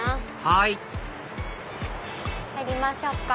はい入りましょうか。